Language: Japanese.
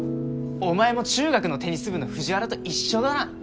お前も中学のテニス部の藤原と一緒だな